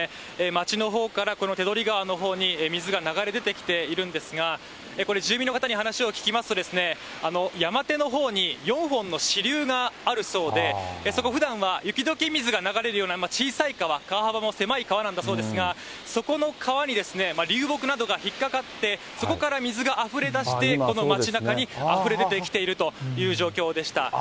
町のほうからこの手取川のほうに、水が流れ出てきているんですが、これ、住民の方に話を聞きますとですね、山手のほうに４本の支流があるそうで、そこ、ふだんは雪どけ水が流れるような小さい川、川幅も狭い川なんだそうですが、そこの川に、流木などが引っかかって、そこから水があふれ出して、この町なかにあふれ出てきているという状況でした。